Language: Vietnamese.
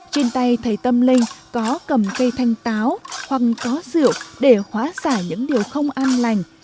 trên tay thầy tâm linh có cầm cây thanh táo hoặc có rượu để hóa xả những điều không an lành